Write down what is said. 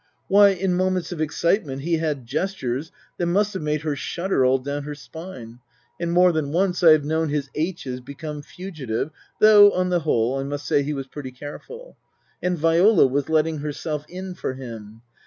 Why, in moments of excitement he had gestures that must have made her shudder all down her spine, and more than once I have known his aitches become fugitive, though, on the whole, I must say he was pretty careful. And Viola was letting herself in for him.